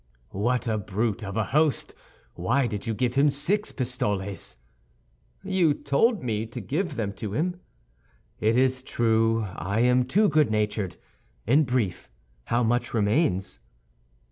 "What a brute of a host! Why did you give him six pistoles?" "You told me to give them to him." "It is true; I am too good natured. In brief, how much remains?"